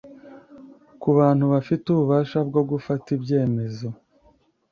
ku bantu bafite ububasha bwo gufata ibyemezo